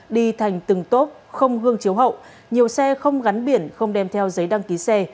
đi thành từng tốp không hương chiếu hậu nhiều xe không gắn biển không đem theo giấy đăng ký xe